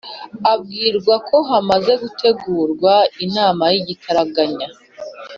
abwirwako hamaze gutegurwa inama yigitaraganya